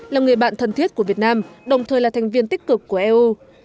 là người bạn thân thiết của việt nam đồng thời là thành viên tích cực của eu